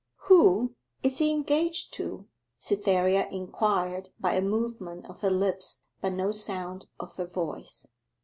'Who is he engaged to?' Cytherea inquired by a movement of her lips but no sound of her voice.